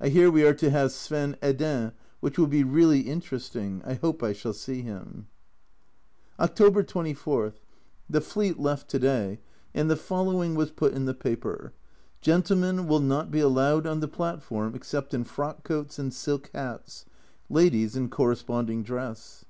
I hear we are to have Sven Hedin, which will be really interesting. I hope I shall see him. October 24. The Fleet left to day, and the follow ing was put in the paper: " Gentlemen will not be allowed on the platform except in frock coats and silk hats ; ladies in corresponding dress."